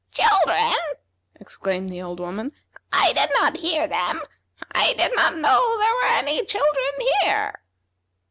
"Children!" exclaimed the old woman; "I did not hear them. I did not know there were any children here."